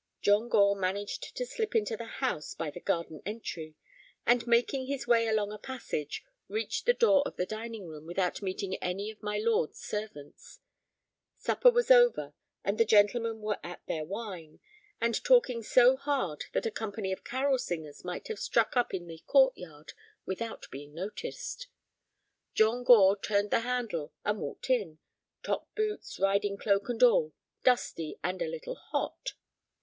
John Gore managed to slip into the house by the garden entry, and making his way along a passage, reached the door of the dining room without meeting any of my lord's servants. Supper was over, and the gentlemen were at their wine, and talking so hard that a company of carol singers might have struck up in the court yard without being noticed. John Gore turned the handle and walked in—top boots, riding cloak, and all, dusty, and a little hot.